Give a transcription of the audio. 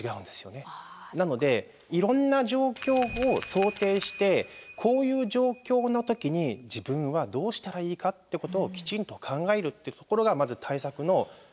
なのでいろんな状況を想定してこういう状況の時に自分はどうしたらいいかってことをきちんと考えるってところがまず対策の第一歩だと思うんです。